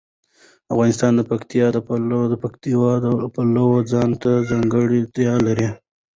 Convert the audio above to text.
افغانستان د پکتیا د پلوه ځانته ځانګړتیا لري.